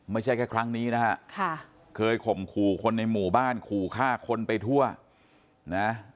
ไม่ใช่แค่ครั้งนี้นะฮะเคยข่มขู่คนในหมู่บ้านขู่ฆ่าคนไปทั่วนะ